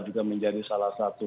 juga menjadi salah satu